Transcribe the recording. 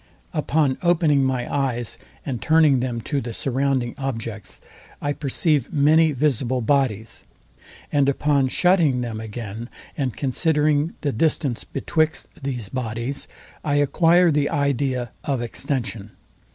Upon opening my eyes, and turning them to the surrounding objects, I perceive many visible bodies; and upon shutting them again, and considering the distance betwixt these bodies, I acquire the idea of extension.